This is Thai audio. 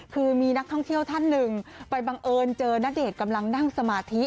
คือมีนักท่องเที่ยวท่านหนึ่งไปบังเอิญเจอณเดชน์กำลังนั่งสมาธิ